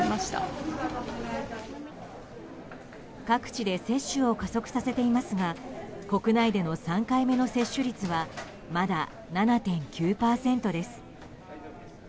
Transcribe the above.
各地で接種を加速させていますが国内での３回目の接種率はまだ７．９％です。